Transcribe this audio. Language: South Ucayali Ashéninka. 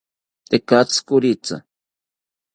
Tekatzi koriki